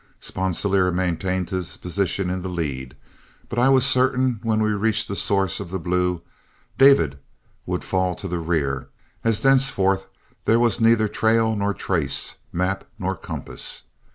Sponsilier maintained his position in the lead, but I was certain when we reached the source of the Blue, David would fall to the rear, as thenceforth there was neither trail nor trace, map nor compass.